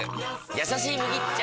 「やさしい麦茶」！